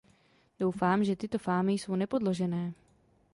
Doufám, že tyto fámy jsou nepodložené.